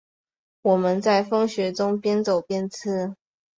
我们在风雪中边走边吃